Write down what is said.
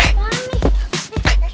aku tuh pengen